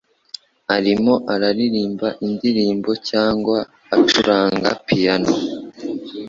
Arimo aririmba indirimbo cyangwa acuranga piyano?